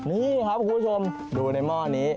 นี่ครับคุณผู้ชมดูในหม้อนี้